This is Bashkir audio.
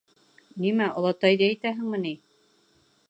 — Нимә, олатайҙы әйтәһеңме ни?